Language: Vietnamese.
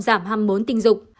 giảm hầm muốn tình dục